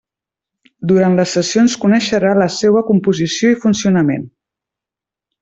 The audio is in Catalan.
Durant les sessions coneixerà la seua composició i funcionament.